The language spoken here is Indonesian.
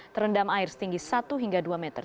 terendam air setinggi satu hingga dua meter